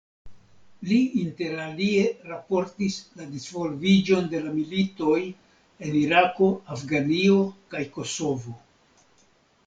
Li interalie raportis la disvolviĝon de la militoj en Irako, Afganio kaj Kosovo.